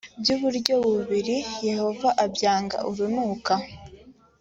by uburyo bubiri yehova abyanga urunuka